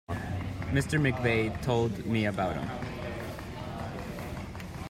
Mr McVeigh told me about him.